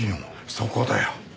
そこだよ。